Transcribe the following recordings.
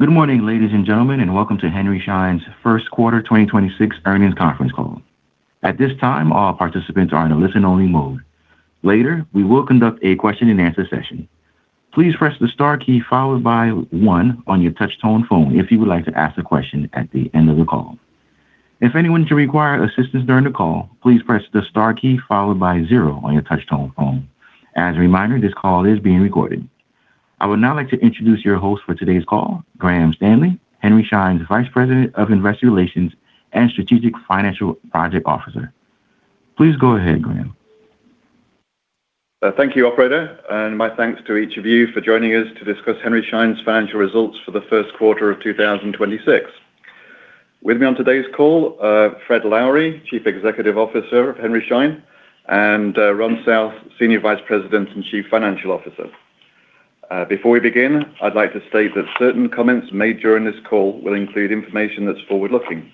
Good morning, ladies and gentlemen, welcome to Henry Schein's first quarter 2026 earnings conference call. At this time, all participants are in a listen-only mode. Later, we will conduct a question and answer session. Please press the star key followed by one on your touch tone phone if you would like to ask a question at the end of the call. If anyone should require assistance during the call, please press the star key followed by zero on your touch tone phone. As a reminder, this call is being recorded. I would now like to introduce your host for today's call, Graham Stanley, Henry Schein's Vice President of Investor Relations and Strategic Financial Project Officer. Please go ahead, Graham. Thank you, operator. My thanks to each of you for joining us to discuss Henry Schein's financial results for the first quarter of 2026. With me on today's call, Fred Lowery, Chief Executive Officer of Henry Schein, and Ron South, Senior Vice President and Chief Financial Officer. Before we begin, I'd like to state that certain comments made during this call will include information that's forward-looking.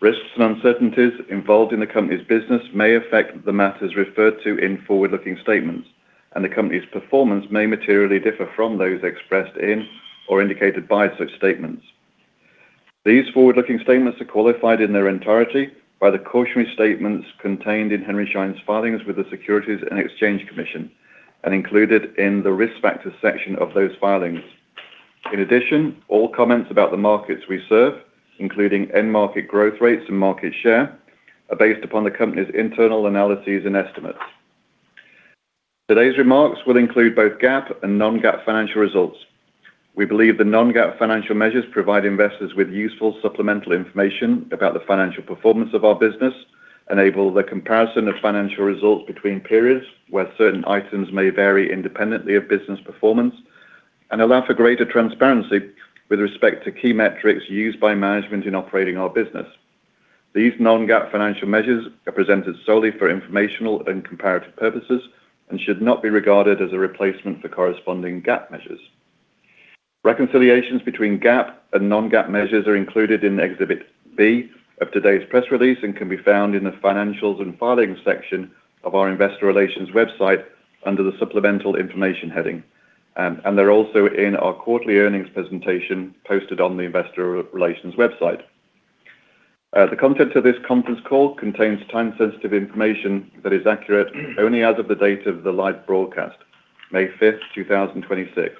Risks and uncertainties involved in the company's business may affect the matters referred to in forward-looking statements, and the company's performance may materially differ from those expressed in or indicated by such statements. These forward-looking statements are qualified in their entirety by the cautionary statements contained in Henry Schein's filings with the Securities and Exchange Commission, and included in the Risk Factors section of those filings. In addition, all comments about the markets we serve, including end market growth rates and market share, are based upon the company's internal analyses and estimates. Today's remarks will include both GAAP and non-GAAP financial results. We believe the non-GAAP financial measures provide investors with useful supplemental information about the financial performance of our business, enable the comparison of financial results between periods where certain items may vary independently of business performance, and allow for greater transparency with respect to key metrics used by management in operating our business. These non-GAAP financial measures are presented solely for informational and comparative purposes and should not be regarded as a replacement for corresponding GAAP measures. Reconciliations between GAAP and non-GAAP measures are included in Exhibit B of today's press release and can be found in the Financials and Filings section of our investor relations website under the Supplemental Information heading. They're also in our quarterly earnings presentation posted on the investor relations website. The content of this conference call contains time-sensitive information that is accurate only as of the date of the live broadcast, May 5th, 2026.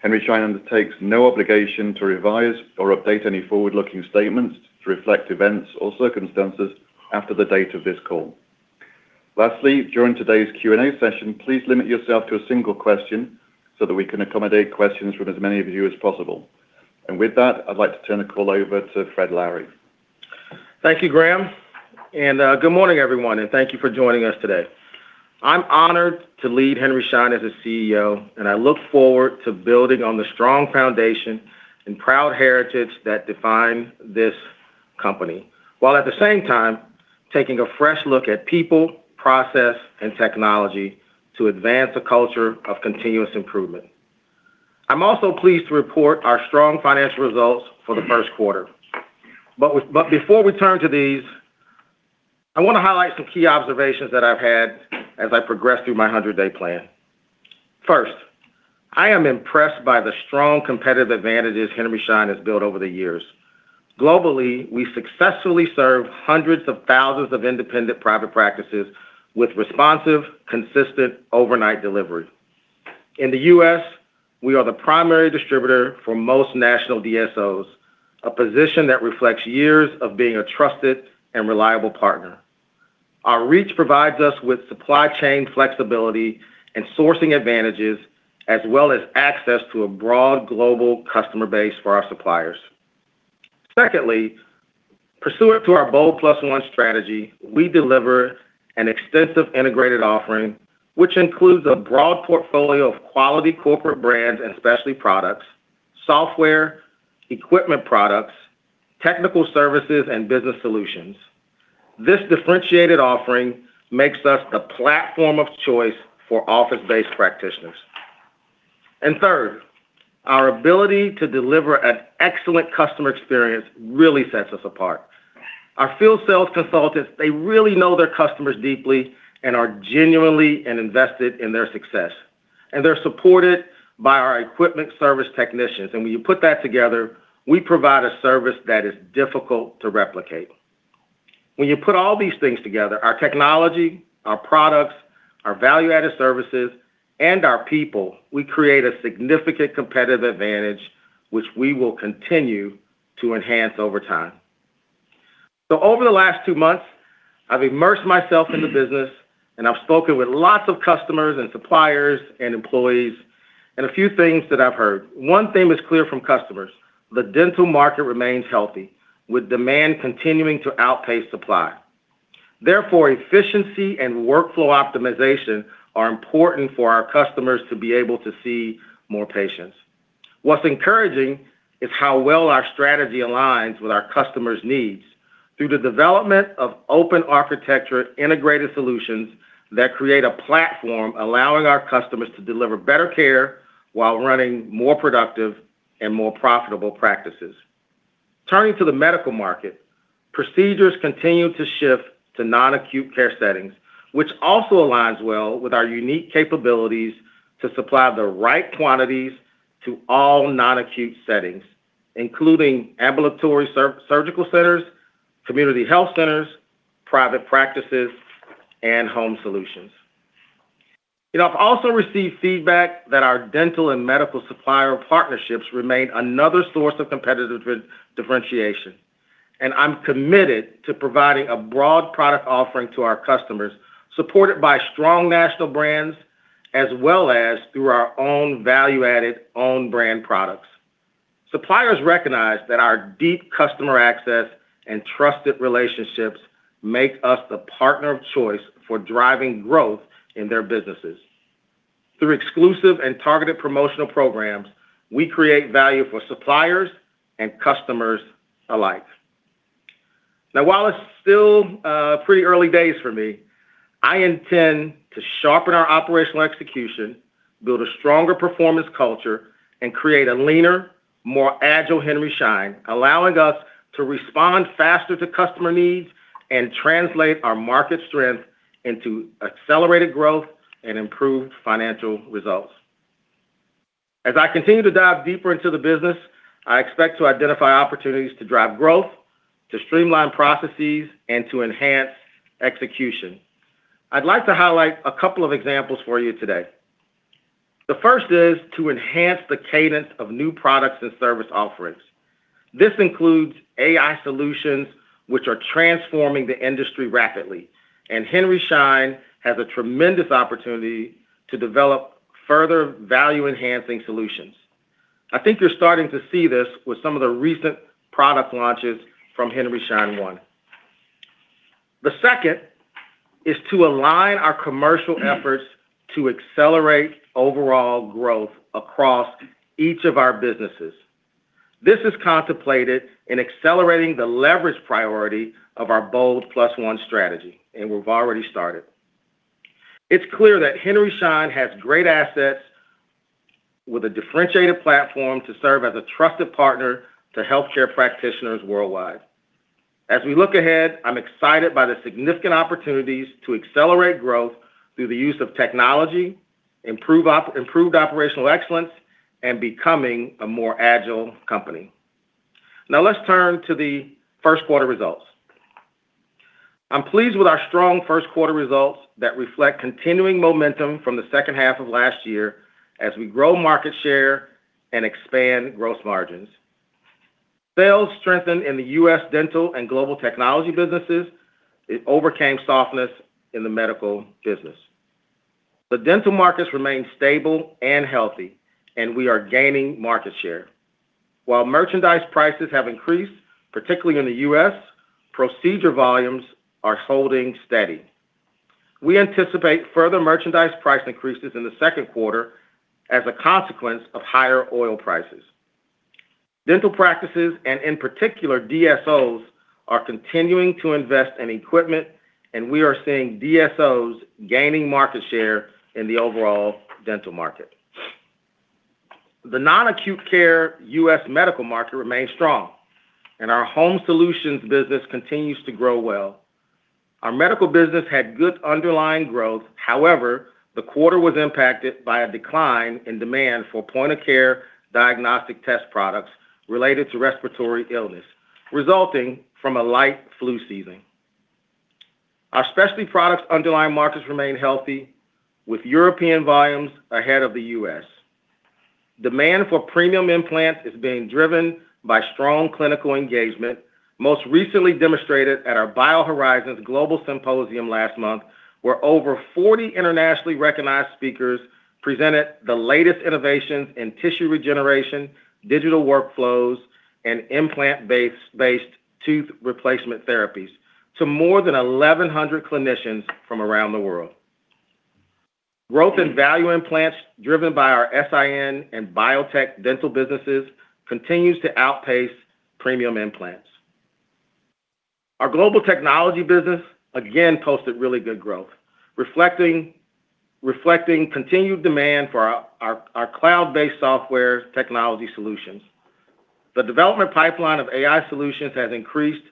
Henry Schein undertakes no obligation to revise or update any forward-looking statements to reflect events or circumstances after the date of this call. Lastly, during today's Q&A session, please limit yourself to a single question so that we can accommodate questions from as many of you as possible. With that, I'd like to turn the call over to Fred Lowery. Thank you, Graham. Good morning, everyone, and thank you for joining us today. I'm honored to lead Henry Schein as the CEO, and I look forward to building on the strong foundation and proud heritage that define this company, while at the same time taking a fresh look at people, process, and technology to advance a culture of continuous improvement. I'm also pleased to report our strong financial results for the first quarter. Before we turn to these, I wanna highlight some key observations that I've had as I progressed through my 100-day plan. First, I am impressed by the strong competitive advantages Henry Schein has built over the years. Globally, we successfully serve hundreds of thousands of independent private practices with responsive, consistent overnight delivery. In the U.S., we are the primary distributor for most national DSOs, a position that reflects years of being a trusted and reliable partner. Our reach provides us with supply chain flexibility and sourcing advantages, as well as access to a broad global customer base for our suppliers. Secondly, pursuant to our Bold+1 strategy, we deliver an extensive integrated offering, which includes a broad portfolio of quality corporate brands and specialty products, software, equipment products, technical services, and business solutions. This differentiated offering makes us the platform of choice for office-based practitioners. Third, our ability to deliver an excellent customer experience really sets us apart. Our field sales consultants, they really know their customers deeply and are genuinely invested in their success, and they're supported by our equipment service technicians. When you put that together, we provide a service that is difficult to replicate. When you put all these things together, our technology, our products, our value-added services, and our people, we create a significant competitive advantage which we will continue to enhance over time. Over the last two months, I've immersed myself in the business, and I've spoken with lots of customers and suppliers and employees, and a few things that I've heard. One thing that's clear from customers, the dental market remains healthy, with demand continuing to outpace supply. Therefore, efficiency and workflow optimization are important for our customers to be able to see more patients. What's encouraging is how well our strategy aligns with our customers' needs through the development of open architecture integrated solutions that create a platform allowing our customers to deliver better care while running more productive and more profitable practices. Turning to the medical market, procedures continue to shift to non-acute care settings, which also aligns well with our unique capabilities to supply the right quantities to all non-acute settings, including ambulatory surgical centers, community health centers, private practices, and home solutions. You know, I've also received feedback that our dental and medical supplier partnerships remain another source of competitive differentiation, and I'm committed to providing a broad product offering to our customers, supported by strong national brands as well as through our own value-added own brand products. Suppliers recognize that our deep customer access and trusted relationships make us the partner of choice for driving growth in their businesses. Through exclusive and targeted promotional programs, we create value for suppliers and customers alike. Now, while it's still pretty early days for me, I intend to sharpen our operational execution, build a stronger performance culture, and create a leaner, more agile Henry Schein, allowing us to respond faster to customer needs and translate our market strength into accelerated growth and improved financial results. As I continue to dive deeper into the business, I expect to identify opportunities to drive growth, to streamline processes, and to enhance execution. I'd like to highlight a couple of examples for you today. The first is to enhance the cadence of new products and service offerings. This includes AI solutions, which are transforming the industry rapidly, and Henry Schein has a tremendous opportunity to develop further value-enhancing solutions. I think you're starting to see this with some of the recent product launches from Henry Schein One. The second is to align our commercial efforts to accelerate overall growth across each of our businesses. This is contemplated in accelerating the leverage priority of our Bold+1 strategy, and we've already started. It's clear that Henry Schein has great assets with a differentiated platform to serve as a trusted partner to healthcare practitioners worldwide. As we look ahead, I'm excited by the significant opportunities to accelerate growth through the use of technology, improved operational excellence, and becoming a more agile company. Let's turn to the first quarter results. I'm pleased with our strong first quarter results that reflect continuing momentum from the second half of last year as we grow market share and expand gross margins. Sales strengthened in the U.S. Dental and Global Technology businesses. It overcame softness in the medical business. The dental markets remain stable and healthy, and we are gaining market share. While merchandise prices have increased, particularly in the U.S., procedure volumes are holding steady. We anticipate further merchandise price increases in the second quarter as a consequence of higher oil prices. Dental practices, and in particular DSOs, are continuing to invest in equipment, and we are seeing DSOs gaining market share in the overall dental market. The non-acute care U.S. medical market remains strong, and our home solutions business continues to grow well. Our medical business had good underlying growth. However, the quarter was impacted by a decline in demand for point-of-care diagnostic test products related to respiratory illness, resulting from a light flu season. Our specialty products underlying markets remain healthy, with European volumes ahead of the U.S. Demand for premium implants is being driven by strong clinical engagement, most recently demonstrated at our BioHorizons Global Symposium last month, where over 40 internationally recognized speakers presented the latest innovations in tissue regeneration, digital workflows, and implant-based tooth replacement therapies to more than 1,100 clinicians from around the world. Growth in value implants, driven by our S.I.N. and Biotech Dental businesses, continues to outpace premium implants. Our Global Technology business again posted really good growth, reflecting continued demand for our cloud-based software technology solutions. The development pipeline of AI solutions has increased.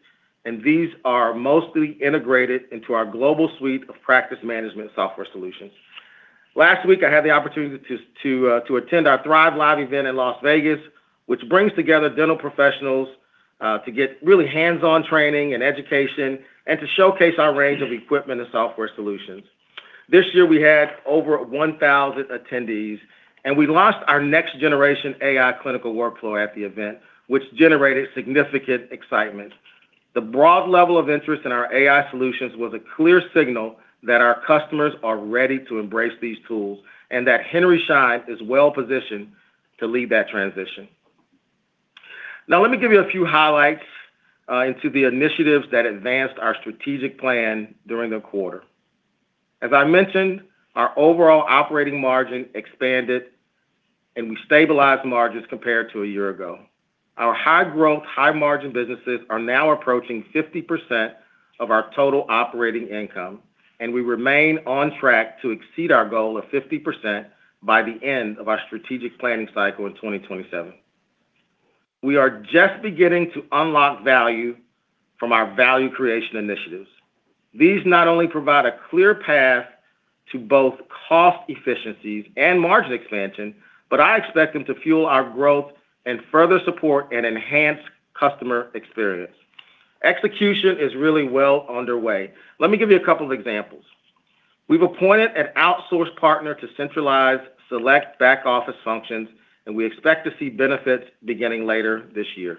These are mostly integrated into our global suite of practice management software solutions. Last week, I had the opportunity to attend our THRIVELIVE event in Las Vegas, which brings together dental professionals to get really hands-on training and education and to showcase our range of equipment and software solutions. This year we had over 1,000 attendees, and we launched our next generation AI clinical workflow at the event, which generated significant excitement. The broad level of interest in our AI solutions was a clear signal that our customers are ready to embrace these tools and that Henry Schein is well-positioned to lead that transition. Now, let me give you a few highlights into the initiatives that advanced our strategic plan during the quarter. As I mentioned, our overall operating margin expanded, and we stabilized margins compared to a year ago. Our high-growth, high-margin businesses are now approaching 50% of our total operating income. We remain on track to exceed our goal of 50% by the end of our strategic planning cycle in 2027. We are just beginning to unlock value from our value creation initiatives. These not only provide a clear path to both cost efficiencies and margin expansion. I expect them to fuel our growth and further support and enhance customer experience. Execution is really well underway. Let me give you a couple of examples. We've appointed an outsource partner to centralize select back-office functions. We expect to see benefits beginning later this year.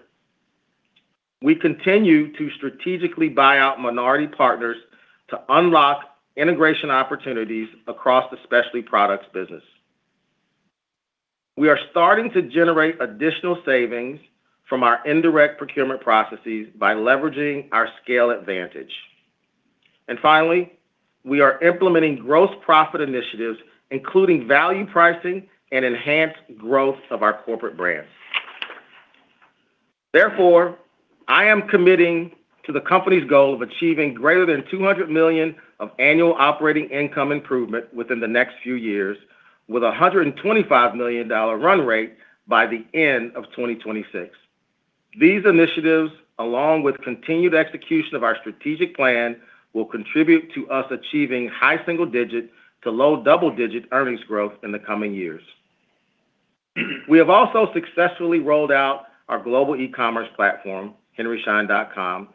We continue to strategically buy out minority partners to unlock integration opportunities across the Specialty Products business. We are starting to generate additional savings from our indirect procurement processes by leveraging our scale advantage. Finally, we are implementing gross profit initiatives, including value pricing and enhanced growth of our corporate brand. Therefore, I am committing to the company's goal of achieving greater than $200 million of annual operating income improvement within the next few years, with a $125 million run rate by the end of 2026. These initiatives, along with continued execution of our strategic plan, will contribute to us achieving high single-digit to low double-digit earnings growth in the coming years. We have also successfully rolled out our global e-commerce platform, henryschein.com,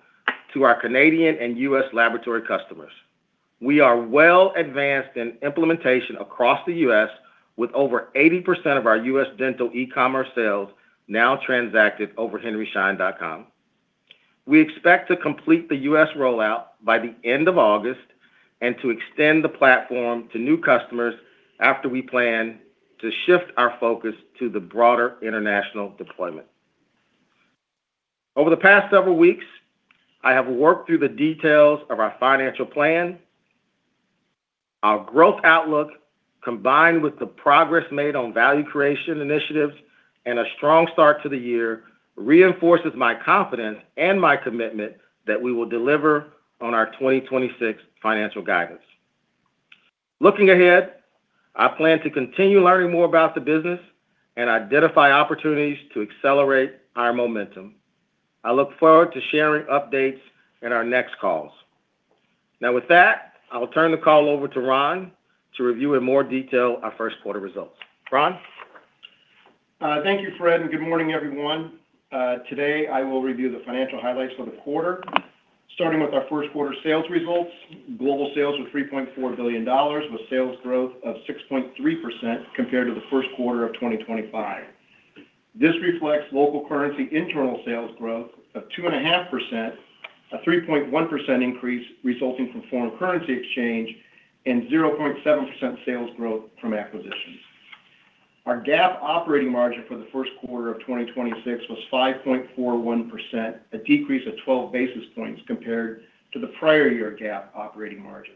to our Canadian and U.S. laboratory customers. We are well advanced in implementation across the U.S., with over 80% of our U.S. Dental e-commerce sales now transacted over henryschein.com. We expect to complete the U.S. rollout by the end of August and to extend the platform to new customers after we plan to shift our focus to the broader international deployment. Over the past several weeks, I have worked through the details of our financial plan. Our growth outlook, combined with the progress made on value creation initiatives and a strong start to the year, reinforces my confidence and my commitment that we will deliver on our 2026 financial guidance. Looking ahead, I plan to continue learning more about the business and identify opportunities to accelerate our momentum. I look forward to sharing updates in our next calls. Now with that, I will turn the call over to Ron to review in more detail our first quarter results. Ron? Thank you, Fred, and good morning, everyone. Today, I will review the financial highlights for the quarter. Starting with our first quarter sales results, global sales were $3.4 billion with sales growth of 6.3% compared to the first quarter of 2025. This reflects local currency internal sales growth of 2.5%, a 3.1% increase resulting from foreign currency exchange, and 0.7% sales growth from acquisitions. Our GAAP operating margin for the first quarter of 2026 was 5.41%, a decrease of 12 basis points compared to the prior year GAAP operating margin.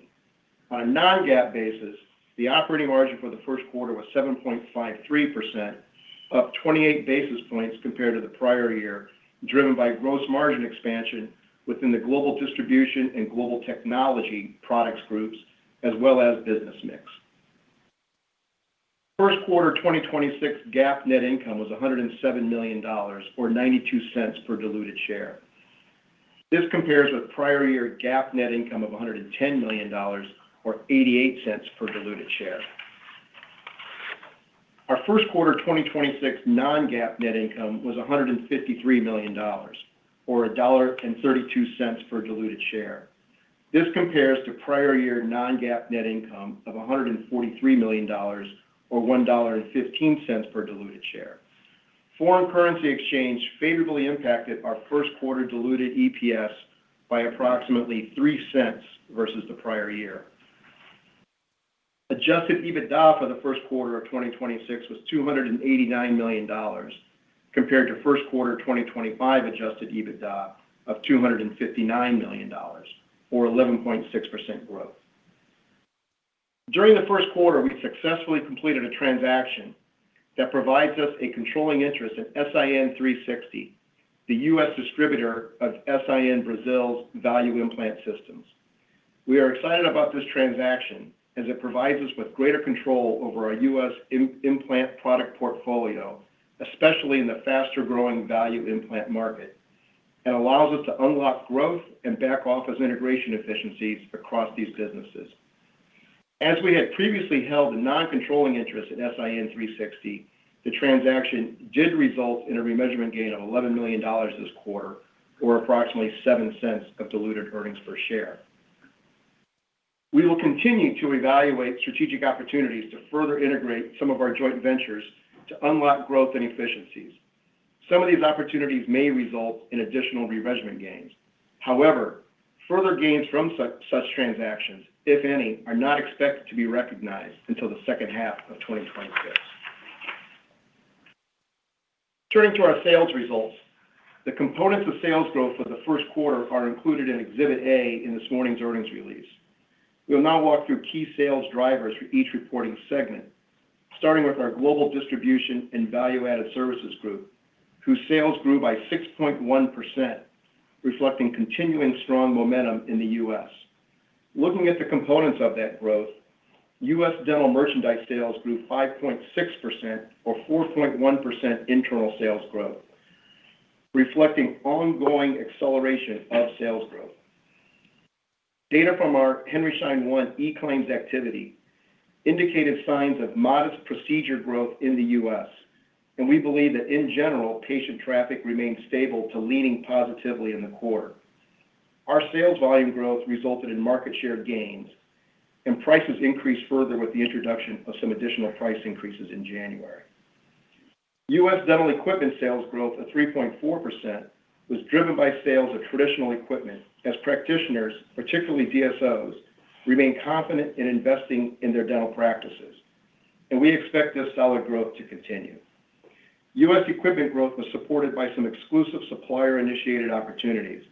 On a non-GAAP basis, the operating margin for the first quarter was 7.53%, up 28 basis points compared to the prior year, driven by gross margin expansion within the Global Distribution and Global Technology products groups, as well as business mix. First quarter 2026 GAAP net income was $107 million or $0.92 per diluted share. This compares with prior year GAAP net income of $110 million or $0.88 per diluted share. Our first quarter 2026 non-GAAP net income was $153 million or $1.32 per diluted share. This compares to prior year non-GAAP net income of $143 million or $1.15 per diluted share. Foreign currency exchange favorably impacted our first quarter diluted EPS by approximately $0.03 versus the prior year. Adjusted EBITDA for the first quarter of 2026 was $289 million, compared to first quarter 2025 adjusted EBITDA of $259 million or 11.6% growth. During the first quarter, we successfully completed a transaction that provides us a controlling interest in S.I.N. 360, the U.S. distributor of S.I.N. Brazil's value implant systems. We are excited about this transaction as it provides us with greater control over our U.S. implant product portfolio, especially in the faster-growing value implant market, and allows us to unlock growth and back office integration efficiencies across these businesses. As we had previously held a non-controlling interest in S.I.N. 360, the transaction did result in a remeasurement gain of $11 million this quarter, or approximately $0.07 of diluted earnings per share. We will continue to evaluate strategic opportunities to further integrate some of our joint ventures to unlock growth and efficiencies. Some of these opportunities may result in additional remeasurement gains. Further gains from such transactions, if any, are not expected to be recognized until the second half of 2026. Turning to our sales results. The components of sales growth for the first quarter are included in Exhibit A in this morning's earnings release. We will now walk through key sales drivers for each reporting segment. Starting with our Global Distribution and Value-Added Services group, whose sales grew by 6.1%, reflecting continuing strong momentum in the U.S. Looking at the components of that growth, U.S. Dental merchandise sales grew 5.6% or 4.1% internal sales growth, reflecting ongoing acceleration of sales growth. Data from our Henry Schein One eClaims activity indicated signs of modest procedure growth in the U.S., and we believe that in general, patient traffic remains stable to leaning positively in the quarter. Our sales volume growth resulted in market share gains, and prices increased further with the introduction of some additional price increases in January. U.S. Dental equipment sales growth of 3.4% was driven by sales of traditional equipment as practitioners, particularly DSOs, remain confident in investing in their dental practices, and we expect this solid growth to continue. U.S. equipment growth was supported by some exclusive supplier-initiated opportunities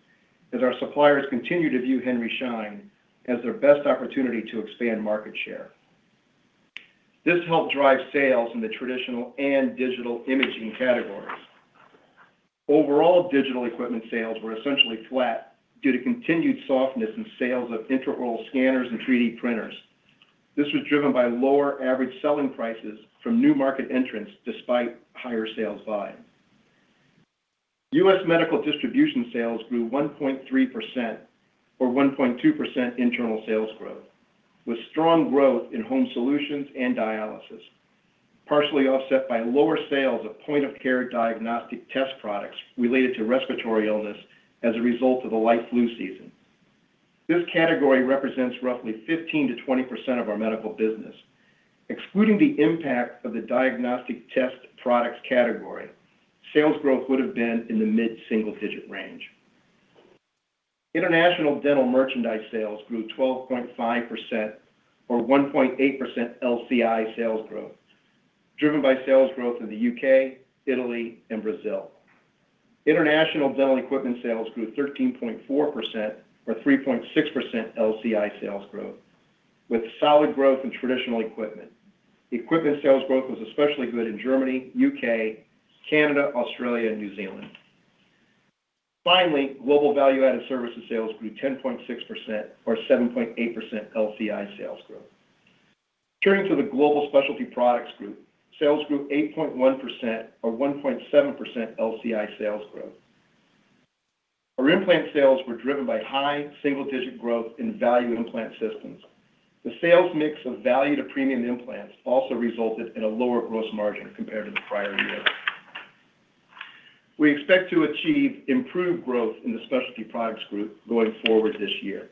as our suppliers continue to view Henry Schein as their best opportunity to expand market share. This helped drive sales in the traditional and digital imaging categories. Overall digital equipment sales were essentially flat due to continued softness in sales of intraoral scanners and 3D printers. This was driven by lower average selling prices from new market entrants despite higher sales volume. U.S. Medical distribution sales grew 1.3% or 1.2% internal sales growth, with strong growth in home solutions and dialysis, partially offset by lower sales of point-of-care diagnostic test products related to respiratory illness as a result of a light flu season. This category represents roughly 15%-20% of our medical business. Excluding the impact of the diagnostic test products category, sales growth would have been in the mid-single digit range. International dental merchandise sales grew 12.5% or 1.8% LCI sales growth, driven by sales growth in the U.K., Italy, and Brazil. International dental equipment sales grew 13.4% or 3.6% LCI sales growth, with solid growth in traditional equipment. The equipment sales growth was especially good in Germany, U.K., Canada, Australia, and New Zealand. Finally, Global Value-Added Services sales grew 10.6% or 7.8% LCI sales growth. Turning to the Global Specialty Products Group, sales grew 8.1% or 1.7% LCI sales growth. Our implant sales were driven by high single-digit growth in value implant systems. The sales mix of value to premium implants also resulted in a lower gross margin compared to the prior year. We expect to achieve improved growth in the Global Specialty Products Group going forward this year.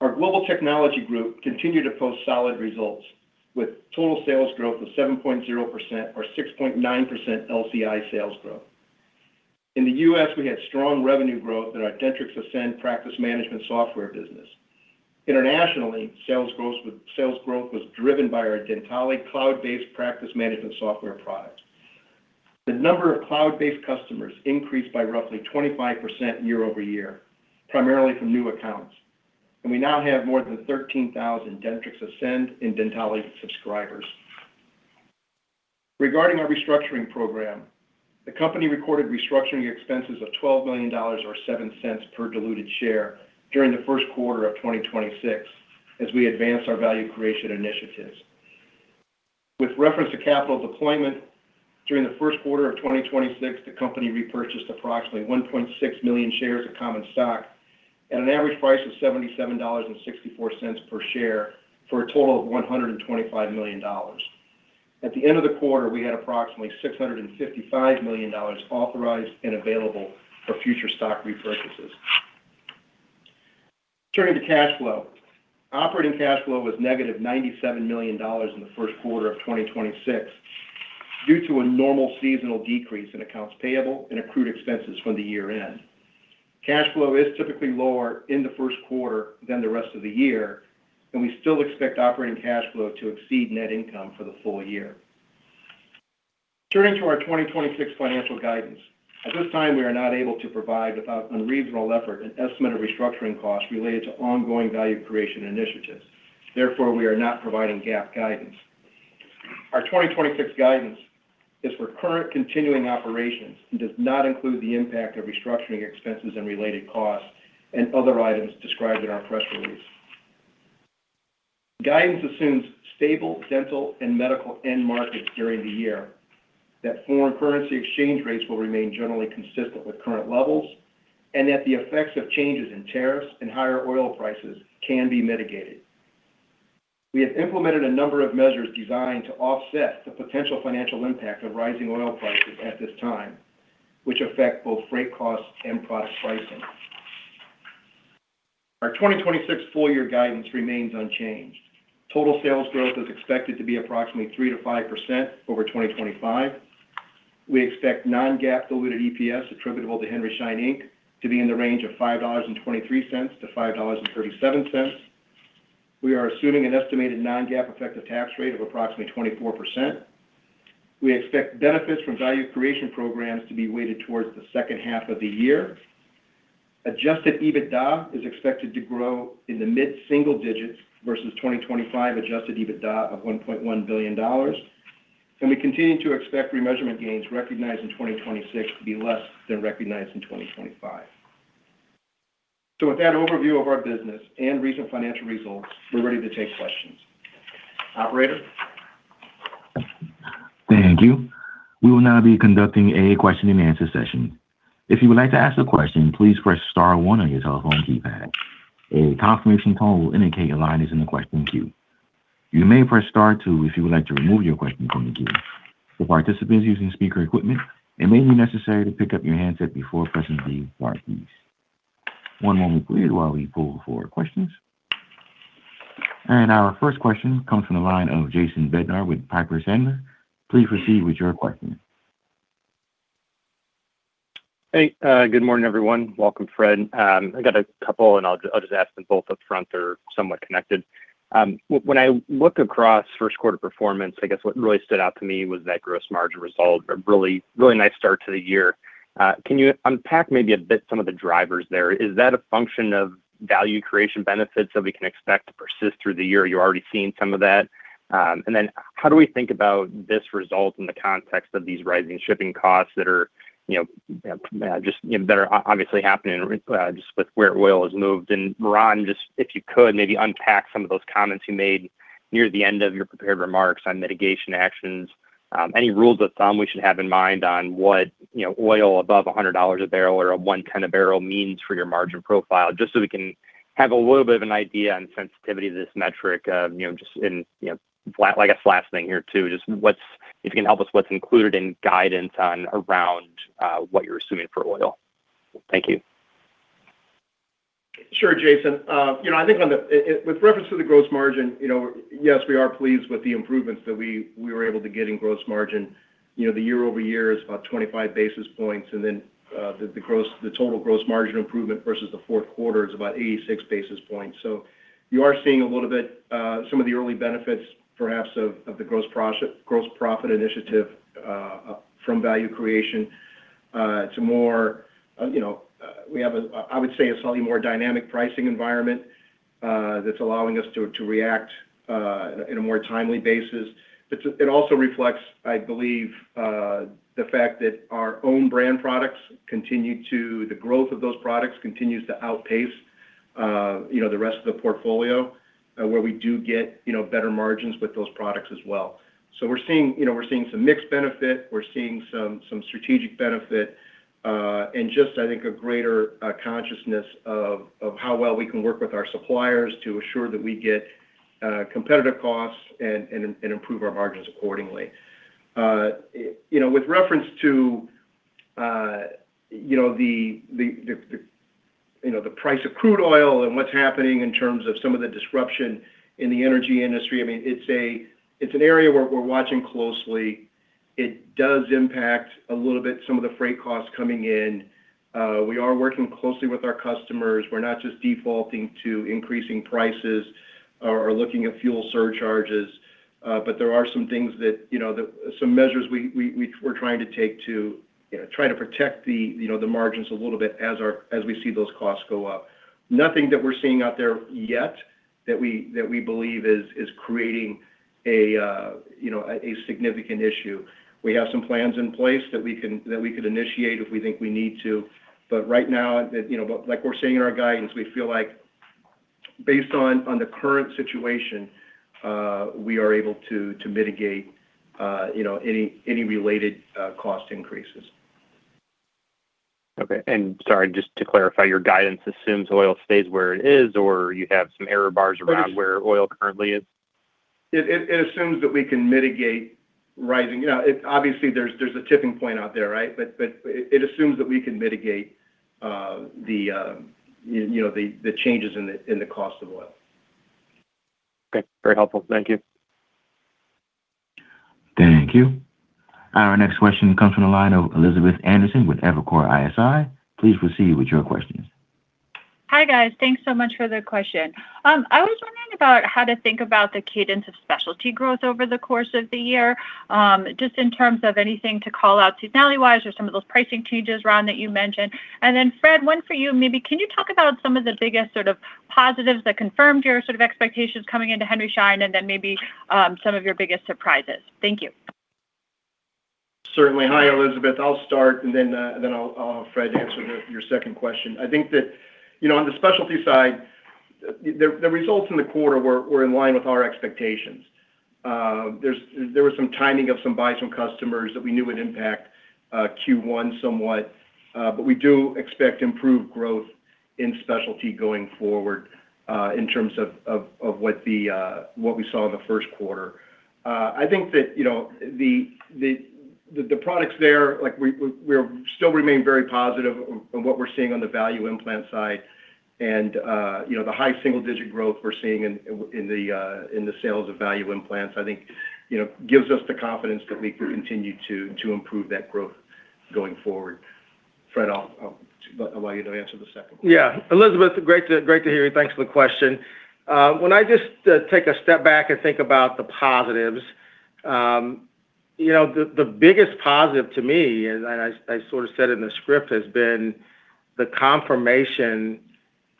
Our Global Technology Group continued to post solid results with total sales growth of 7.0% or 6.9% LCI sales growth. In the U.S., we had strong revenue growth in our Dentrix Ascend practice management software business. Internationally, sales growth was driven by our Dentally cloud-based practice management software product. The number of cloud-based customers increased by roughly 25% year-over-year, primarily from new accounts, and we now have more than 13,000 Dentrix Ascend and Dentally subscribers. Regarding our restructuring program, the company recorded restructuring expenses of $12 million, or $0.07 per diluted share, during the first quarter of 2026 as we advance our value creation initiatives. With reference to capital deployment, during the first quarter of 2026, the company repurchased approximately 1.6 million shares of common stock at an average price of $77.64 per share for a total of $125 million. At the end of the quarter, we had approximately $655 million authorized and available for future stock repurchases. Turning to cash flow. Operating cash flow was -$97 million in the first quarter of 2026 due to a normal seasonal decrease in accounts payable and accrued expenses from the year-end. Cash flow is typically lower in the first quarter than the rest of the year, and we still expect operating cash flow to exceed net income for the full year. Turning to our 2026 financial guidance. At this time, we are not able to provide, without unreasonable effort, an estimate of restructuring costs related to ongoing value creation initiatives. Therefore, we are not providing GAAP guidance. Our 2026 guidance is for current continuing operations and does not include the impact of restructuring expenses and related costs and other items described in our press release. Guidance assumes stable dental and medical end markets during the year, that foreign currency exchange rates will remain generally consistent with current levels, and that the effects of changes in tariffs and higher oil prices can be mitigated. We have implemented a number of measures designed to offset the potential financial impact of rising oil prices at this time, which affect both freight costs and product pricing. Our 2026 full year guidance remains unchanged. Total sales growth is expected to be approximately 3%-5% over 2025. We expect non-GAAP diluted EPS attributable to Henry Schein, Inc. to be in the range of $5.23-$5.37. We are assuming an estimated non-GAAP effective tax rate of approximately 24%. We expect benefits from value creation programs to be weighted towards the second half of the year. Adjusted EBITDA is expected to grow in the mid-single digits versus 2025 adjusted EBITDA of $1.1 billion. We continue to expect remeasurement gains recognized in 2026 to be less than recognized in 2025. With that overview of our business and recent financial results, we're ready to take questions. Operator? Thank you. We will now be conducting a question-and-answer session. If you would like to ask a question, please press star one on your telephone keypad. A confirmation tone will indicate your line is in the question queue. You may press star two if you would like to remove your question from the queue. For participants using speaker equipment, it may be necessary to pick up your handset before pressing the star keys. One moment, please, while we pull for questions. Our first question comes from the line of Jason Bednar with Piper Sandler. Please proceed with your question. Hey, good morning, everyone. Welcome, Fred. I got a couple, and I'll just ask them both up front. They're somewhat connected. When I look across first quarter performance, I guess what really stood out to me was that gross margin result, a really, really nice start to the year. Can you unpack maybe a bit some of the drivers there? Is that a function of value creation benefits that we can expect to persist through the year? Are you already seeing some of that? How do we think about this result in the context of these rising shipping costs that are, you know, just, you know, that are obviously happening just with where oil has moved? Ron, just if you could, maybe unpack some of those comments you made near the end of your prepared remarks on mitigation actions. Any rules of thumb we should have in mind on what, you know, oil above $100 a barrel or $110 a barrel means for your margin profile? Just so we can have a little bit of an idea on sensitivity to this metric, you know, just in, like a last thing here too. If you can help us, what's included in guidance on around what you're assuming for oil? Thank you. Sure, Jason. You know, I think with reference to the gross margin, you know, yes, we are pleased with the improvements that we were able to get in gross margin. You know, the year-over-year is about 25 basis points, and then the total gross margin improvement versus the fourth quarter is about 86 basis points. You are seeing a little bit some of the early benefits perhaps of the gross profit initiative from value creation. It's more, you know, we have a, I would say a slightly more dynamic pricing environment that's allowing us to react in a more timely basis. It also reflects, I believe, the fact that our own brand products the growth of those products continues to outpace, you know, the rest of the portfolio, where we do get, you know, better margins with those products as well. We're seeing, you know, we're seeing some mixed benefit. We're seeing some strategic benefit, and just, I think, a greater consciousness of how well we can work with our suppliers to assure that we get competitive costs and improve our margins accordingly. You know, with reference to, you know, the price of crude oil and what's happening in terms of some of the disruption in the energy industry, I mean, it's an area where we're watching closely. It does impact a little bit some of the freight costs coming in. We are working closely with our customers. We're not just defaulting to increasing prices or looking at fuel surcharges. There are some things that, you know, some measures we're trying to take to, you know, try to protect the, you know, the margins a little bit as we see those costs go up. Nothing that we're seeing out there yet that we believe is creating a, you know, a significant issue. We have some plans in place that we could initiate if we think we need to. Right now, the, you know, like we're saying in our guidance, we feel like based on the current situation, we are able to mitigate, you know, any related cost increases. Okay. Sorry, just to clarify, your guidance assumes oil stays where it is, or you have some error bars around? It assumes. Where oil currently is? It assumes that we can mitigate rising. You know, obviously, there's a tipping point out there, right? It assumes that we can mitigate the, you know, the changes in the cost of oil. Okay. Very helpful. Thank you. Thank you. Our next question comes from the line of Elizabeth Anderson with Evercore ISI. Please proceed with your questions. Hi, guys. Thanks so much for the question. I was wondering about how to think about the cadence of specialty growth over the course of the year, just in terms of anything to call out seasonality-wise or some of those pricing changes, Ron, that you mentioned. Fred, one for you maybe. Can you talk about some of the biggest sort of positives that confirmed your sort of expectations coming into Henry Schein, and then maybe, some of your biggest surprises? Thank you. Certainly. Hi, Elizabeth. I'll start and then I'll have Fred answer your second question. I think that, you know, on the specialty side, the results in the quarter were in line with our expectations. There was some timing of some buys from customers that we knew would impact Q1 somewhat. We do expect improved growth in specialty going forward, in terms of what we saw in the first quarter. I think that, you know, the products there, like, we're still remain very positive on what we're seeing on the value implant side. You know, the high single-digit growth we're seeing in the sales of value implants, I think, you know, gives us the confidence that we can continue to improve that growth going forward. Fred, I'll allow you to answer the second question. Elizabeth, great to hear you. Thanks for the question. When I just take a step back and think about the positives, you know, the biggest positive to me, and I sort of said it in the script, has been the confirmation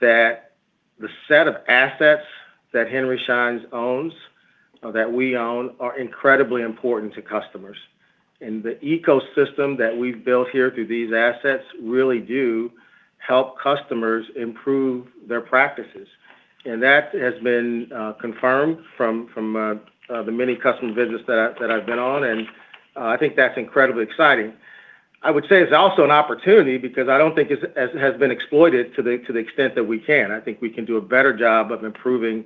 that the set of assets that Henry Schein's owns, or that we own, are incredibly important to customers. The ecosystem that we've built here through these assets really do help customers improve their practices, and that has been confirmed from the many customer visits that I've been on, and I think that's incredibly exciting. I would say it's also an opportunity because I don't think it's as has been exploited to the extent that we can. I think we can do a better job of improving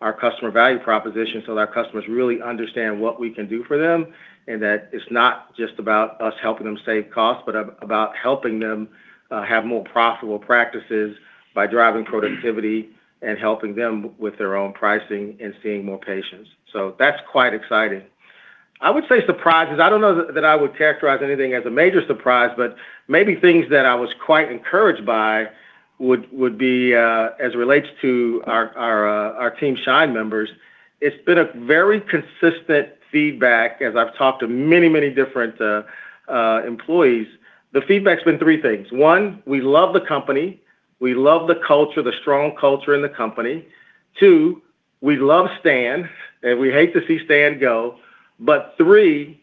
our customer value proposition so that our customers really understand what we can do for them, and that it's not just about us helping them save costs, but about helping them have more profitable practices by driving productivity and helping them with their own pricing and seeing more patients. That's quite exciting. I would say surprises, I don't know that I would characterize anything as a major surprise, but maybe things that I was quite encouraged by would be as it relates to our Team Schein members, it's been a very consistent feedback as I've talked to many, many different employees. The feedback's been three things. One, we love the company, we love the culture, the strong culture in the company. Two, we love Stan and we hate to see Stan go, three,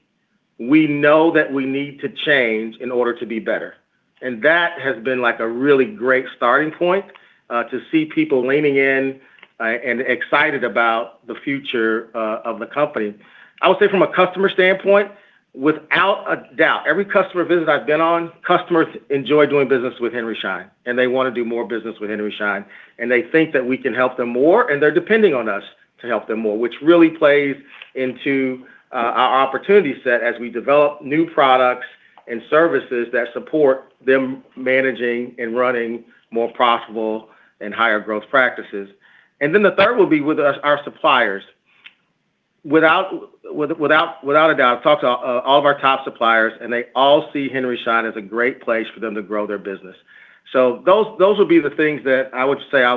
we know that we need to change in order to be better. That has been like a really great starting point to see people leaning in and excited about the future of the company. I would say from a customer standpoint, without a doubt, every customer visit I've been on, customers enjoy doing business with Henry Schein, and they wanna do more business with Henry Schein, and they think that we can help them more, and they're depending on us to help them more, which really plays into our opportunity set as we develop new products and services that support them managing and running more profitable and higher growth practices. Then the third will be with our suppliers. Without a doubt, talked to all of our top suppliers, they all see Henry Schein as a great place for them to grow their business. Those would be the things that I would say I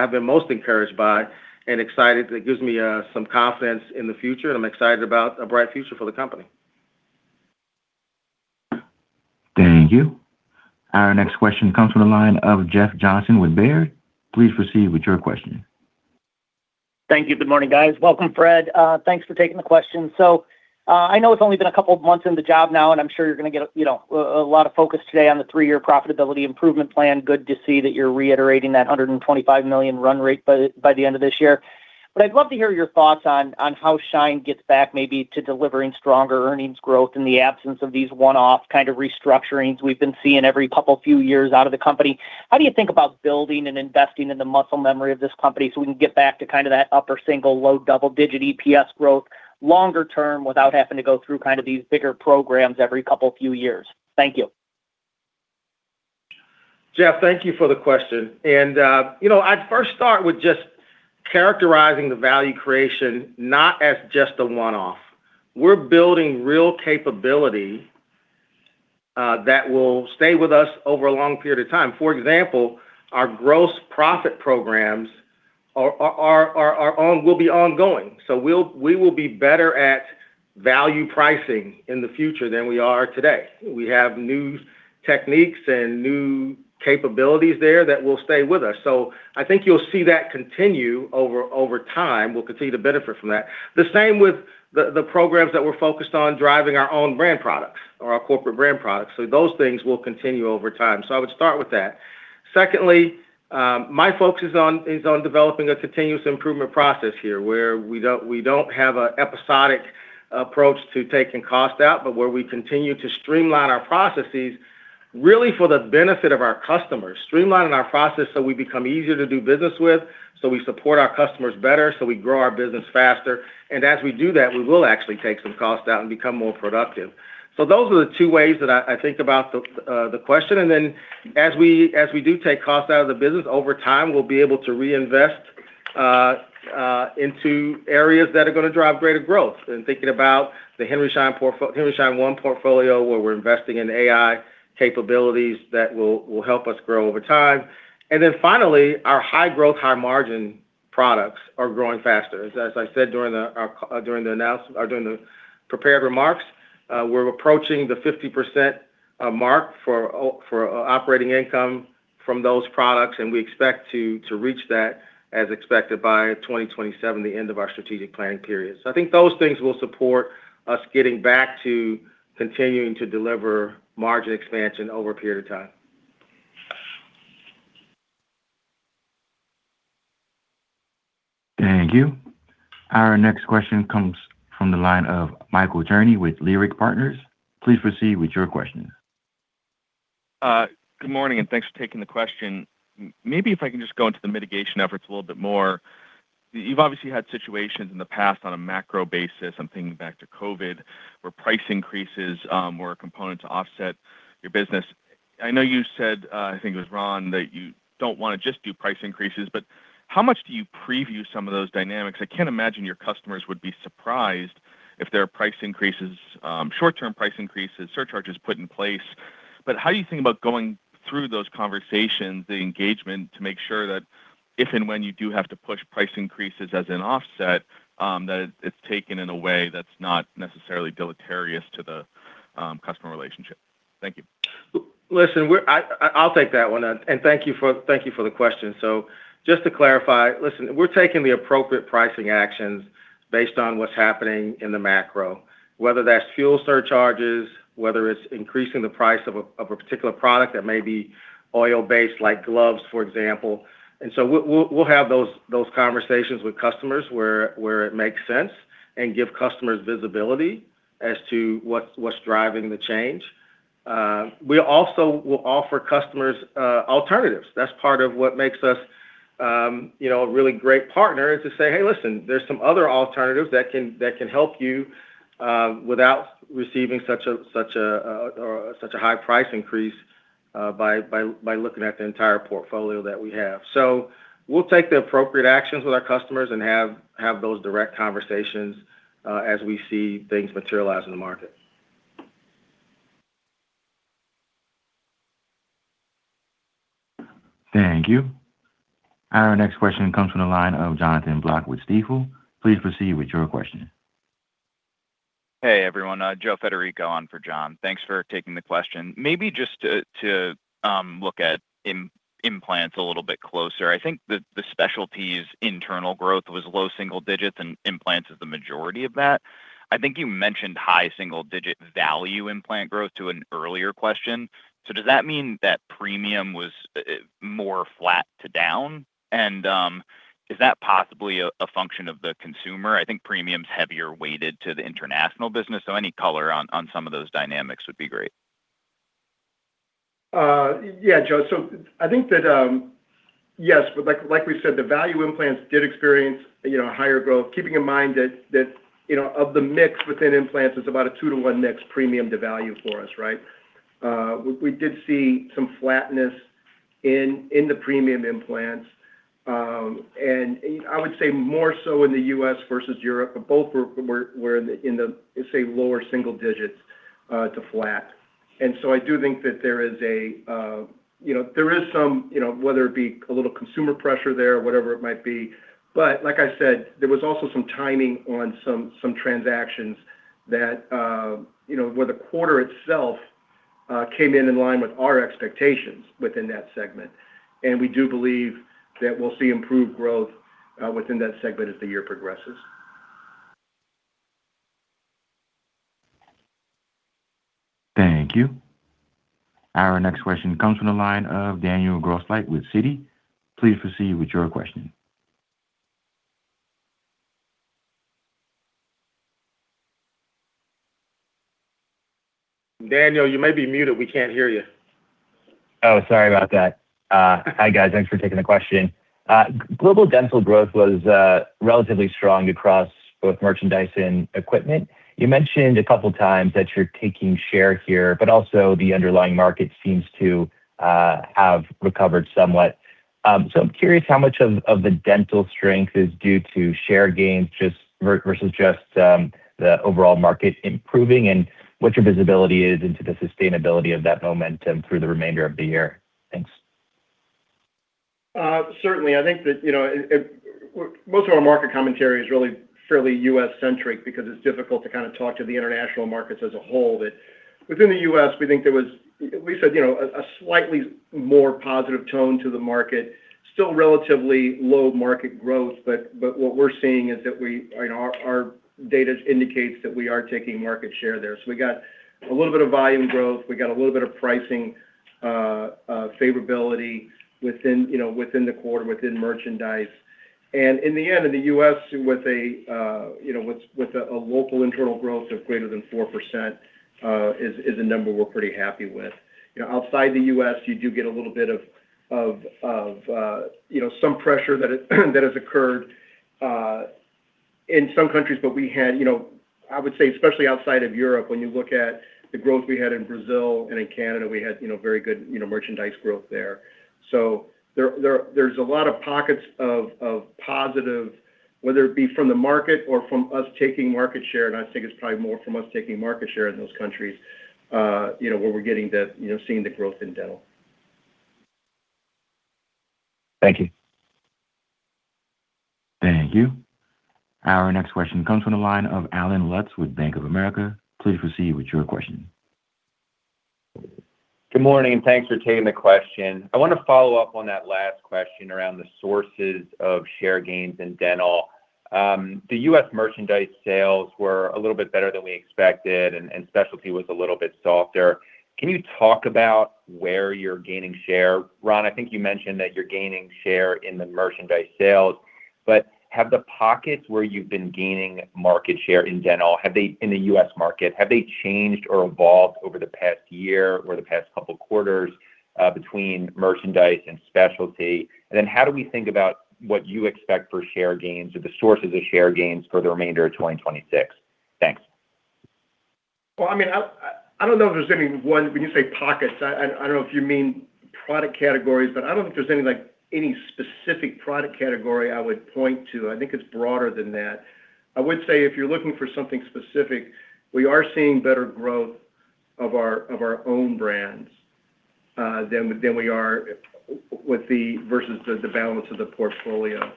have been most encouraged by and excited. It gives me some confidence in the future, I'm excited about a bright future for the company. Thank you. Our next question comes from the line of Jeff Johnson with Baird. Please proceed with your question. Thank you. Good morning, guys. Welcome, Fred. Thanks for taking the question. I know it's only been a couple of months in the job now, and I'm sure you're gonna get a, you know, a lot of focus today on the three-year profitability improvement plan. Good to see that you're reiterating that $125 million run rate by the end of this year. I'd love to hear your thoughts on how Schein gets back maybe to delivering stronger earnings growth in the absence of these one-off kind of restructurings we've been seeing every couple few years out of the company. How do you think about building and investing in the muscle memory of this company so we can get back to kind of that upper single, low double-digit EPS growth longer term without having to go through kind of these bigger programs every couple few years? Thank you. Jeff, thank you for the question. You know, I'd first start with just characterizing the value creation not as just a one-off. We're building real capability that will stay with us over a long period of time. For example, our gross profit programs are on will be ongoing, so we will be better at value pricing in the future than we are today. We have new techniques and new capabilities there that will stay with us. I think you'll see that continue over time. We'll continue to benefit from that. The same with the programs that we're focused on driving our own brand products or our corporate brand products. Those things will continue over time. I would start with that. Secondly, my focus is on developing a continuous improvement process here, where we don't have a episodic approach to taking cost out, but where we continue to streamline our processes really for the benefit of our customers, streamlining our process so we become easier to do business with, so we support our customers better, so we grow our business faster, and as we do that, we will actually take some cost out and become more productive. Those are the two ways that I think about the question, then as we do take cost out of the business, over time, we'll be able to reinvest into areas that are gonna drive greater growth. Thinking about the Henry Schein One portfolio, where we're investing in AI capabilities that will help us grow over time. Finally, our high growth, high margin products are growing faster. As I said during the prepared remarks, we're approaching the 50% mark for operating income from those products, and we expect to reach that as expected by 2027, the end of our strategic planning period. I think those things will support us getting back to continuing to deliver margin expansion over a period of time. Thank you. Our next question comes from the line of Michael Cherny with Leerink Partners. Please proceed with your question. Good morning, thanks for taking the question. Maybe if I can just go into the mitigation efforts a little bit more. You've obviously had situations in the past on a macro basis, I'm thinking back to COVID, where price increases were a component to offset your business. I know you said, I think it was Ron, that you don't wanna just do price increases, but how much do you preview some of those dynamics? I can't imagine your customers would be surprised if there are price increases, short-term price increases, surcharges put in place. How do you think about going through those conversations, the engagement, to make sure that if and when you do have to push price increases as an offset, that it's taken in a way that's not necessarily deleterious to the customer relationship? Thank you. Listen, I'll take that one. Thank you for the question. Just to clarify, we're taking the appropriate pricing actions based on what's happening in the macro, whether that's fuel surcharges, whether it's increasing the price of a particular product that may be oil-based, like gloves, for example. We'll have those conversations with customers where it makes sense and give customers visibility as to what's driving the change. We also will offer customers alternatives. That's part of what makes us, you know, a really great partner is to say, "Hey, listen, there's some other alternatives that can help you without receiving such a high price increase by looking at the entire portfolio that we have." We'll take the appropriate actions with our customers and have those direct conversations as we see things materialize in the market. Thank you. Our next question comes from the line of Jonathan Block with Stifel. Please proceed with your question. Hey, everyone. Joe Federico on for John. Thanks for taking the question. Maybe just to look at implants a little bit closer. I think the specialties internal growth was low single digits, and implants is the majority of that. I think you mentioned high single digit value implant growth to an earlier question. Does that mean that premium was more flat to down? Is that possibly a function of the consumer? I think premium's heavier weighted to the international business. Any color on some of those dynamics would be great. Yeah, Joe. I think that, yes, but like we said, the value implants did experience, you know, higher growth. Keeping in mind that, you know, of the mix within implants, it's about a two to one mix premium to value for us, right? We did see some flatness in the premium implants. I would say more so in the U.S. versus Europe, both were in the, say, lower single digits to flat. I do think that there is a, you know, there is some, you know, whether it be a little consumer pressure there, whatever it might be. Like I said, there was also some timing on some transactions that, you know, where the quarter itself came in in line with our expectations within that segment. We do believe that we'll see improved growth, within that segment as the year progresses. Thank you. Our next question comes from the line of Daniel Grosslight with Citi. Please proceed with your question. Daniel, you may be muted. We can't hear you. Sorry about that. Hi, guys. Thanks for taking the question. Global dental growth was relatively strong across both merchandise and equipment. You mentioned a couple times that you're taking share here, but also the underlying market seems to have recovered somewhat. I'm curious how much of the dental strength is due to share gains versus just the overall market improving and what your visibility is into the sustainability of that momentum through the remainder of the year. Thanks. Certainly. I think that, you know, most of our market commentary is really fairly U.S.-centric because it's difficult to kind of talk to the international markets as a whole. Within the U.S., we think there was, we said, you know, a slightly more positive tone to the market. Still relatively low market growth, but what we're seeing is that our data indicates that we are taking market share there. We got a little bit of volume growth. We got a little bit of pricing favorability within, you know, within the quarter, within merchandise. In the end, in the U.S., with a, you know, with a local internal growth of greater than 4%, is a number we're pretty happy with. You know, outside the U.S., you do get a little bit of, you know, some pressure that has occurred in some countries. We had, you know, I would say, especially outside of Europe, when you look at the growth we had in Brazil and in Canada, we had, you know, very good, you know, merchandise growth there. There's a lot of pockets of positive, whether it be from the market or from us taking market share, and I think it's probably more from us taking market share in those countries, you know, where we're getting the, you know, seeing the growth in dental. Thank you. Thank you. Our next question comes from the line of Allen Lutz with Bank of America. Please proceed with your question. Good morning. Thanks for taking the question. I want to follow up on that last question around the sources of share gains in dental. The U.S. merchandise sales were a little bit better than we expected and specialty was a little bit softer. Can you talk about where you're gaining share? Ron, I think you mentioned that you're gaining share in the merchandise sales. Have the pockets where you've been gaining market share in dental in the U.S. market, have they changed or evolved over the past year or the past couple quarters between merchandise and specialty? How do we think about what you expect for share gains or the sources of share gains for the remainder of 2026? Thanks. Well, I mean, I don't know if there's any one. When you say pockets, I don't know if you mean product categories, but I don't think there's any, like, any specific product category I would point to. I think it's broader than that. I would say if you're looking for something specific, we are seeing better growth of our own brands than we are with the versus the balance of the portfolio.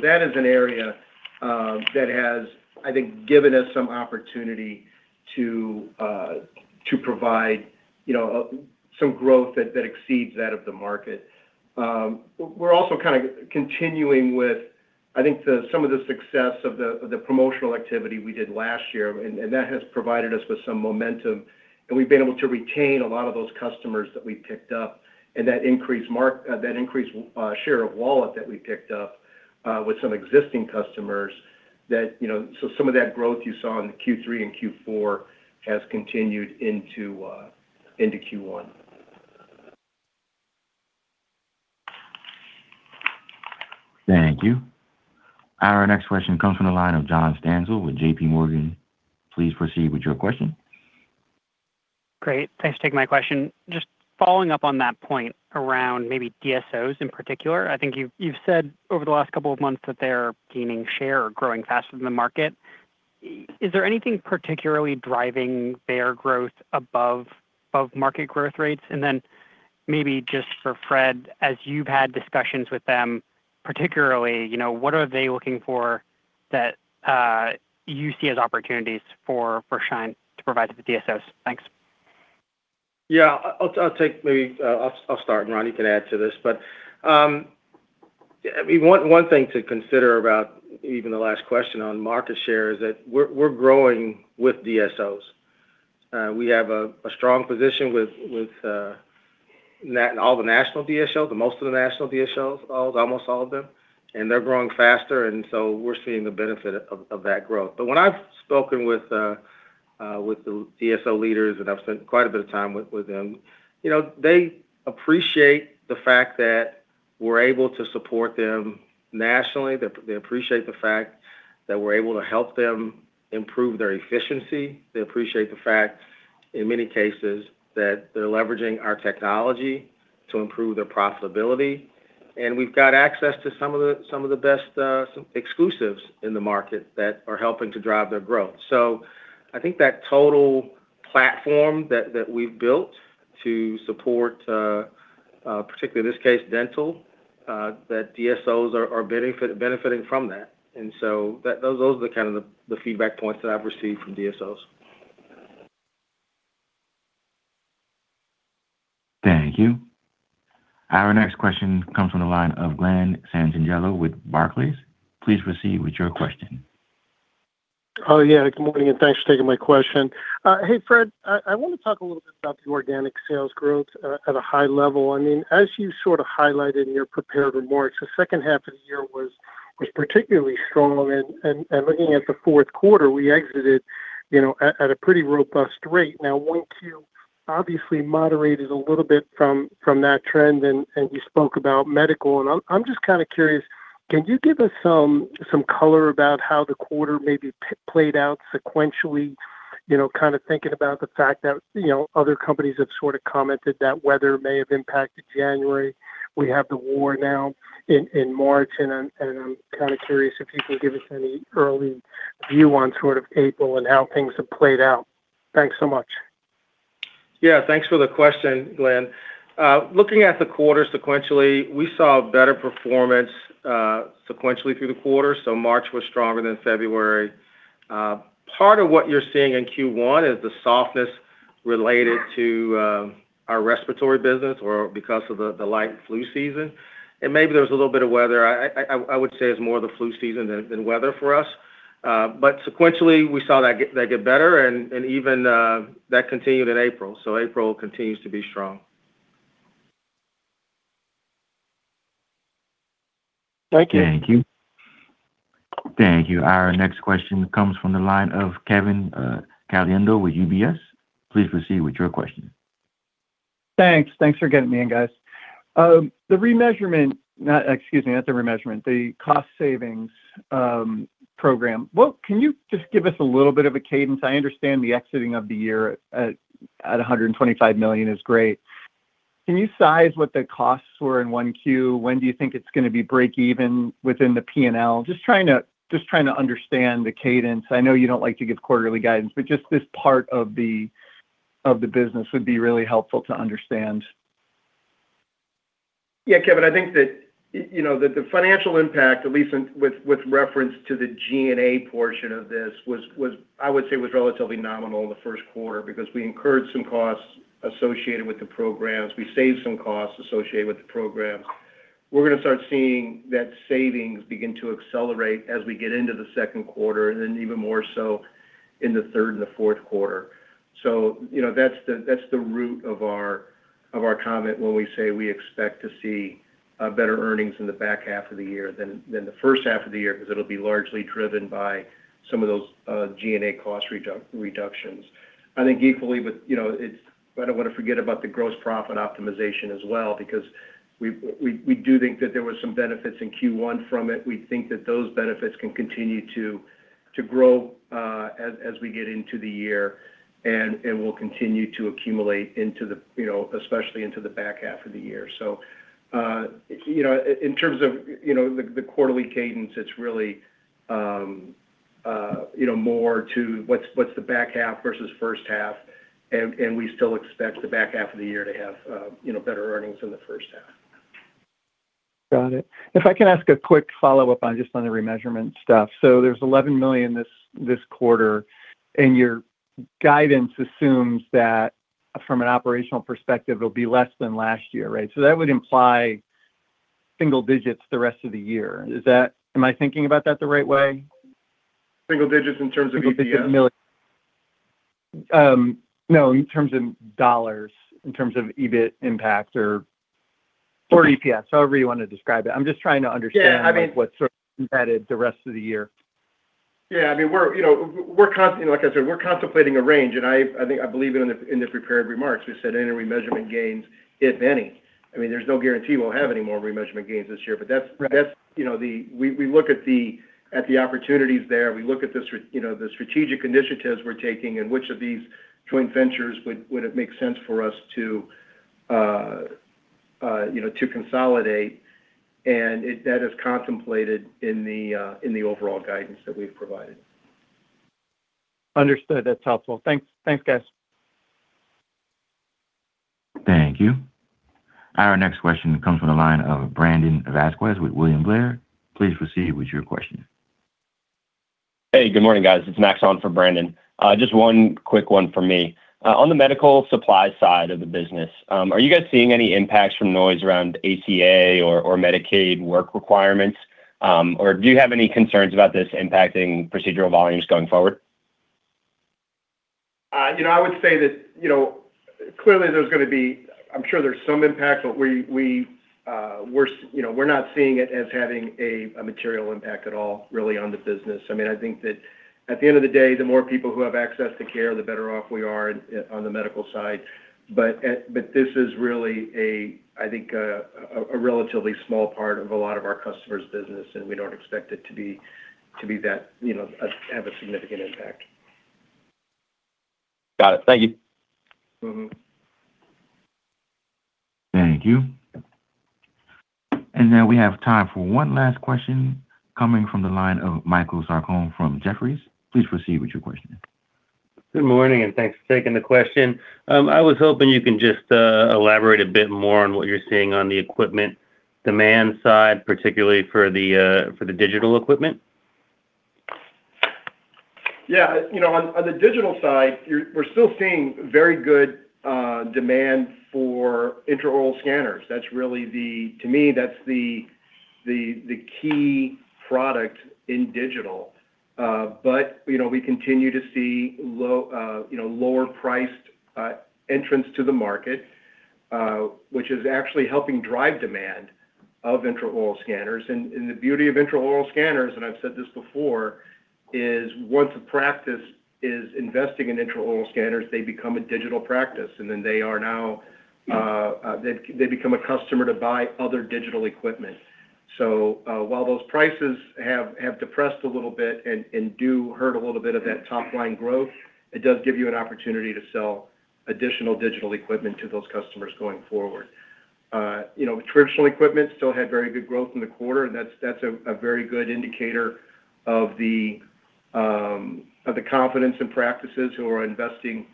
That is an area that has, I think, given us some opportunity to provide, you know, some growth that exceeds that of the market. We're also kind of continuing with, I think, some of the success of the promotional activity we did last year, and that has provided us with some momentum. We've been able to retain a lot of those customers that we picked up and that increased that increased share of wallet that we picked up with some existing customers that, you know. Some of that growth you saw in Q3 and Q4 has continued into Q1. Thank you. Our next question comes from the line of John Stansel with JPMorgan. Please proceed with your question. Great. Thanks for taking my question. Just following up on that point around maybe DSOs in particular. I think you've said over the last couple of months that they're gaining share or growing faster than the market. Is there anything particularly driving their growth above market growth rates? Maybe just for Fred, as you've had discussions with them, particularly, you know, what are they looking for that you see as opportunities for Schein to provide to the DSOs? Thanks. Yeah. I'll take maybe, I'll start, and Ron can add to this. Yeah, one thing to consider about even the last question on market share is that we're growing with DSOs. We have a strong position with all the national DSOs, most of the national DSOs, almost all of them. They're growing faster. We're seeing the benefit of that growth. When I've spoken with the DSO leaders, and I've spent quite a bit of time with them, you know, they appreciate the fact that we're able to support them nationally. They appreciate the fact that we're able to help them improve their efficiency. They appreciate the fact, in many cases, that they're leveraging our technology to improve their profitability. We've got access to some of the best exclusives in the market that are helping to drive their growth. I think that total platform that we've built to support, particularly this case, dental, that DSOs are benefiting from that. Those are the kind of the feedback points that I've received from DSOs. Thank you. Our next question comes from the line of Glen Santangelo with Barclays. Please proceed with your question. Oh, yeah. Good morning, and thanks for taking my question. Hey, Fred. I wanna talk a little bit about the organic sales growth at a high level. I mean, as you sort of highlighted in your prepared remarks, the second half of the year was particularly strong. Looking at the fourth quarter, we exited, you know, at a pretty robust rate. Now 1Q obviously moderated a little bit from that trend, and you spoke about medical. I'm just kinda curious, can you give us some color about how the quarter maybe played out sequentially? You know, kind of thinking about the fact that, you know, other companies have sort of commented that weather may have impacted January. We have the war now in March, and I'm kinda curious if you can give us any early view on sort of April and how things have played out? Thanks so much. Yeah. Thanks for the question, Glen. Looking at the quarter sequentially, we saw a better performance sequentially through the quarter. March was stronger than February. Part of what you're seeing in Q1 is the softness related to our respiratory business or because of the light flu season, and maybe there was a little bit of weather. I would say it's more the flu season than weather for us. Sequentially, we saw that get better and even that continued in April. April continues to be strong. Thank you. Thank you. Thank you. Our next question comes from the line of Kevin Caliendo with UBS. Please proceed with your question. Thanks. Thanks for getting me in, guys. The remeasurement, excuse me, not the remeasurement. The cost savings program. Can you just give us a little bit of a cadence? I understand the exiting of the year at $125 million is great. Can you size what the costs were in 1Q? When do you think it's gonna be break even within the P&L? Just trying to understand the cadence. I know you don't like to give quarterly guidance, but just this part of the business would be really helpful to understand. Yeah, Kevin. I think that, you know, the financial impact, at least with reference to the G&A portion of this, was relatively nominal in the first quarter because we incurred some costs associated with the programs. We saved some costs associated with the programs. We're gonna start seeing that savings begin to accelerate as we get into the second quarter and then even more so in the third and the fourth quarter. You know, that's the root of our comment when we say we expect to see better earnings in the back half of the year than the first half of the year 'cause it'll be largely driven by some of those G&A cost reductions. I think equally with, you know, I don't wanna forget about the gross profit optimization as well because we do think that there was some benefits in Q1 from it. We think that those benefits can continue to grow as we get into the year and will continue to accumulate into the, you know, especially into the back half of the year. In terms of, you know, the quarterly cadence, it's really, you know, more to what's the back half versus first half and we still expect the back half of the year to have, you know, better earnings than the first half. Got it. If I can ask a quick follow-up on just on the remeasurement stuff. There's $11 million this quarter and your guidance assumes that from an operational perspective it'll be less than last year, right? That would imply single digits the rest of the year. Am I thinking about that the right way? Single digits in terms of EPS? No, in terms of dollars, in terms of EBIT impact or EPS, however you wanna describe it. Yeah, I mean. What's sort of embedded the rest of the year? Yeah, I mean, we're, you know, like I said, we're contemplating a range and I think, I believe in the, in the prepared remarks, we said any remeasurement gains, if any. I mean, there's no guarantee we'll have any more remeasurement gains this year. Right That's, you know, we look at the opportunities there. We look at the, you know, the strategic initiatives we're taking and which of these joint ventures would it make sense for us to, you know, to consolidate and that is contemplated in the overall guidance that we've provided. Understood. That's helpful. Thanks. Thanks guys. Thank you. Our next question comes from the line of Brandon Vazquez with William Blair. Please proceed with your question. Hey, good morning, guys. It's Max on for Brandon. Just one quick one from me. On the medical supply side of the business, are you guys seeing any impacts from noise around ACA or Medicaid work requirements? Or do you have any concerns about this impacting procedural volumes going forward? You know, I would say that, you know, clearly there's gonna be I'm sure there's some impact, but we, you know, we're not seeing it as having a material impact at all really on the business. I mean, I think that at the end of the day, the more people who have access to care, the better off we are on the medical side. This is really a, I think a relatively small part of a lot of our customers' business and we don't expect it to be that, you know, to have a significant impact. Got it. Thank you. Thank you. Now we have time for one last question coming from the line of Michael Sarcone from Jefferies. Please proceed with your question. Good morning and thanks for taking the question. I was hoping you can just elaborate a bit more on what you're seeing on the equipment demand side, particularly for the digital equipment? Yeah. You know, on the digital side, we're still seeing very good demand for intraoral scanners. That's really to me, that's the key product in digital. You know, we continue to see low, you know, lower priced entrants to the market, which is actually helping drive demand of intraoral scanners. The beauty of intraoral scanners, and I've said this before, is once a practice is investing in intraoral scanners, they become a digital practice and then they are now, they become a customer to buy other digital equipment. While those prices have depressed a little bit and do hurt a little bit of that top line growth, it does give you an opportunity to sell additional digital equipment to those customers going forward. You know, traditional equipment still had very good growth in the quarter and that's a very good indicator of the confidence in practices who are investing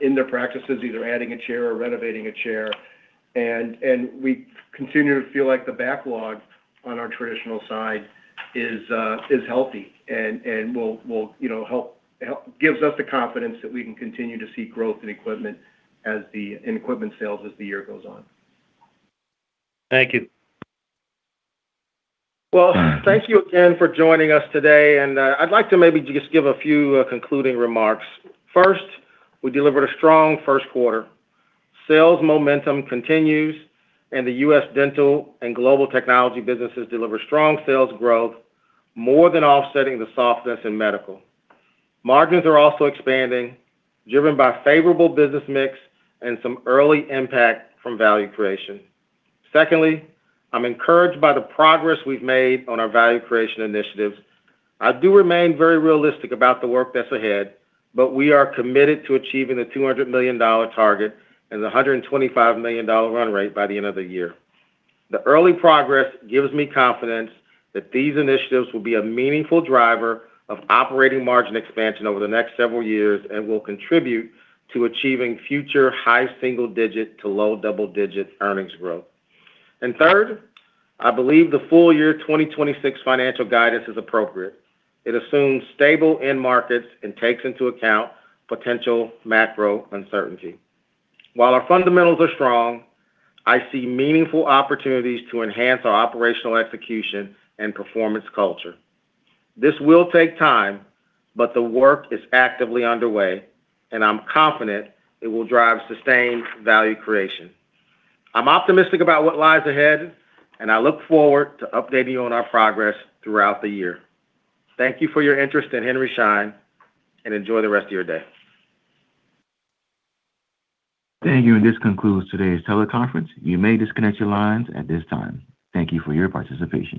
in their practices, either adding a chair or renovating a chair. We continue to feel like the backlog on our traditional side is healthy and will, you know, gives us the confidence that we can continue to see growth in equipment sales as the year goes on. Thank you. Well, thank you again for joining us today. I'd like to maybe just give a few concluding remarks. First, we delivered a strong first quarter. Sales momentum continues and the U.S. Dental and Global Technology businesses deliver strong sales growth more than offsetting the softness in medical. Margins are also expanding driven by favorable business mix and some early impact from value creation. Secondly, I'm encouraged by the progress we've made on our value creation initiatives. I do remain very realistic about the work that's ahead, we are committed to achieving the $200 million target and the $125 million run rate by the end of the year. The early progress gives me confidence that these initiatives will be a meaningful driver of operating margin expansion over the next several years and will contribute to achieving future high single-digit to low double-digit earnings growth. Third, I believe the full year 2026 financial guidance is appropriate. It assumes stable end markets and takes into account potential macro uncertainty. While our fundamentals are strong, I see meaningful opportunities to enhance our operational execution and performance culture. This will take time, but the work is actively underway and I'm confident it will drive sustained value creation. I'm optimistic about what lies ahead and I look forward to updating you on our progress throughout the year. Thank you for your interest in Henry Schein and enjoy the rest of your day. Thank you. This concludes today's teleconference. You may disconnect your lines at this time. Thank you for your participation.